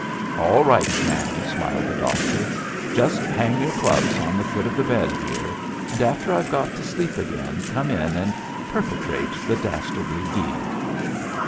"All right, Granny," smiled the doctor. "Just hang your clubs on the foot of the bed here, and after I've got to sleep again, come in, and perpetrate the dastardly deed."